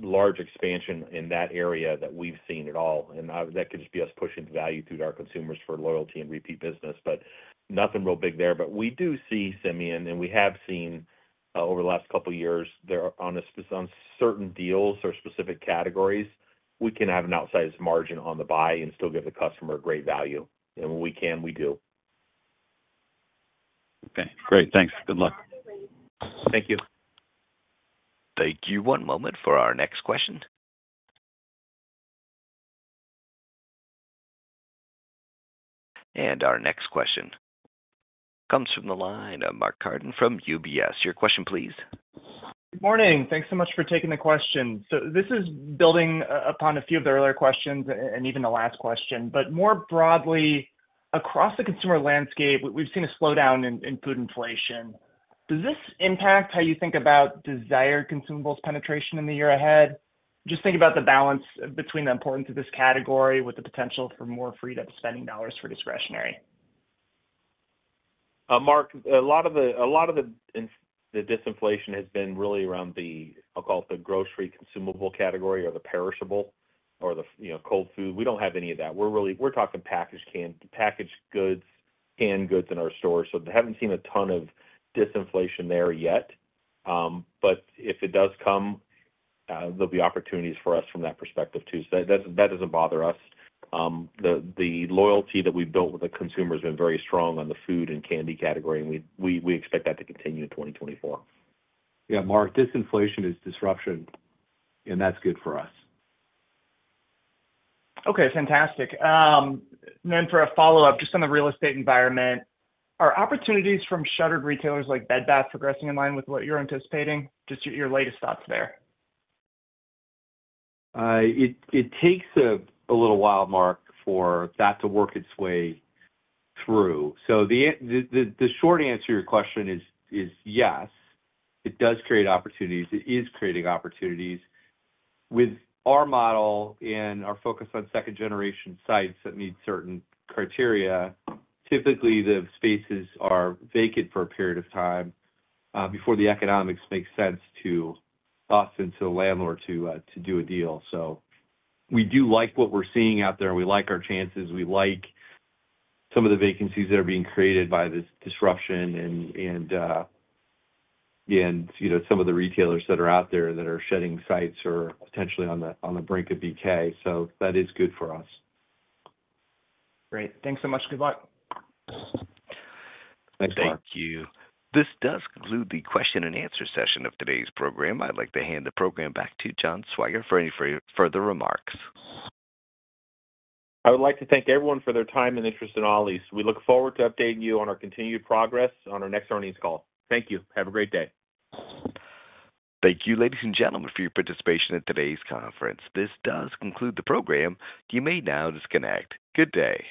large expansion in that area that we've seen at all, and obviously, that could just be us pushing value through to our consumers for loyalty and repeat business. But nothing real big there. But we do see, Simeon, and we have seen over the last couple of years, there on certain deals or specific categories, we can have an outsized margin on the buy and still give the customer great value. And when we can, we do. Okay, great. Thanks, good luck. Thank you. Thank you. One moment for our next question. Our next question comes from the line of Mark Carden from UBS. Your question, please. Good morning. Thanks so much for taking the question. So this is building upon a few of the earlier questions and even the last question. But more broadly, across the consumer landscape, we've seen a slowdown in food inflation. Does this impact how you think about desired consumables penetration in the year ahead? Just thinking about the balance between the importance of this category with the potential for more freed up spending dollars for discretionary. Mark, a lot of the disinflation has been really around the, I'll call it, the grocery consumable category or the perishable or the, you know, cold food. We don't have any of that. We're really talking packaged canned, packaged goods, canned goods in our stores, so we haven't seen a ton of disinflation there yet. But if it does come, there'll be opportunities for us from that perspective, too. So that doesn't bother us. The loyalty that we've built with the consumer has been very strong on the food and candy category, and we expect that to continue in 2024. Yeah, Mark, disinflation is disruption, and that's good for us. Okay, fantastic. Then for a follow-up, just on the real estate environment, are opportunities from shuttered retailers like Bed Bath progressing in line with what you're anticipating? Just your, your latest thoughts there. It takes a little while, Mark, for that to work its way through. So the short answer to your question is yes, it does create opportunities. It is creating opportunities. With our model and our focus on second-generation sites that meet certain criteria, typically, the spaces are vacant for a period of time before the economics make sense to us and to the landlord to do a deal. So we do like what we're seeing out there. We like our chances. We like some of the vacancies that are being created by this disruption and, you know, some of the retailers that are out there that are shedding sites or potentially on the brink of BK, so that is good for us. Great. Thanks so much. Good luck. Thanks, Mark. Thank you. This does conclude the question and answer session of today's program. I'd like to hand the program back to John Swygert for any further remarks. I would like to thank everyone for their time and interest in Ollie's. We look forward to updating you on our continued progress on our next earnings call. Thank you. Have a great day. Thank you, ladies and gentlemen, for your participation in today's conference. This does conclude the program. You may now disconnect. Good day!